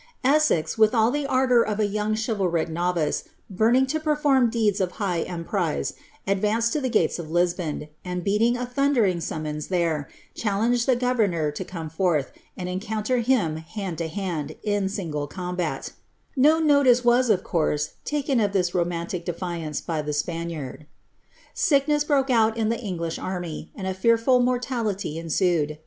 Essex, with all the ardour f a young chivalric novice, burning to perform deeds of high emprise, dvanced to the gates of Lisbon, and beating a thundering summons bere, challenged the governor to come forth, and encounter him hand *OunileB; Ungard; Mackintosh, 'Lodge*, Canideu\ \Ati%^2^ lOf) BLlZABSTil. to hand, in single combat No notice was, of course, takeB ttf tha mmaniic defiance by the Spaniard.' Sickness broke out in the English army, and a fearful morulitjr •» ■ut^d.